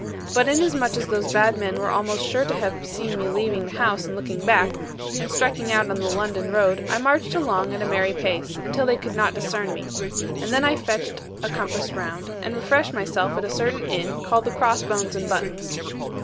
But inasmuch as those bad men were almost sure to have seen me leaving the house and looking back, and striking out on the London road, I marched along at a merry pace, until they could not discern me; and then I fetched a compass round, and refreshed myself at a certain inn, entitled The Cross bones and Buttons.